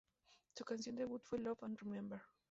Su canción debut fue "Love and Remember".